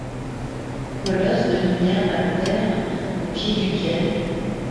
Colosse de Minerve aptère, aux pieds duquel